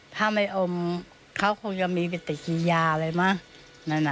ถ้าไม่อมเขาคงจะมีวิติกิยาเลยมั้ยนั่นน่ะ